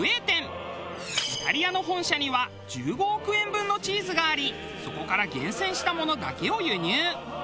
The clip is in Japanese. イタリアの本社には１５億円分のチーズがありそこから厳選したものだけを輸入。